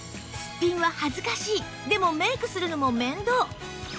スッピンは恥ずかしいでもメイクするのも面倒